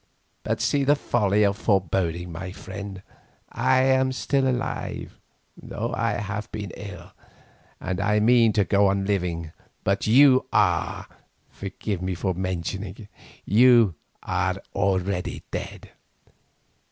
But see the folly of forebodings, my friend. I am still alive, though I have been ill, and I mean to go on living, but you are—forgive me for mentioning it—you are already dead.